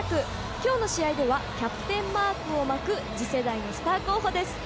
今日の試合ではキャプテンマークを巻く次世代のスター候補です。